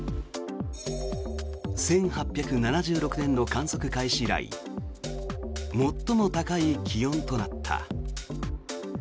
１８７６年の観測開始以来最も高い気温となった。